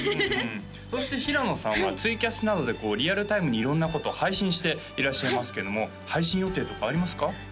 そして平野さんはツイキャスなどでリアルタイムに色んなことを配信していらっしゃいますけども配信予定とかありますか？